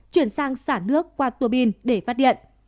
chuyển sang xả nước qua tua bin để phát điện